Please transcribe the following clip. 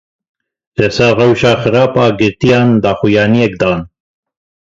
Li ser rewşa xerab a girtiyan daxuyaniyek dan.